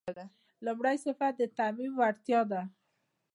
لومړی صفت د تعمیم وړتیا ده.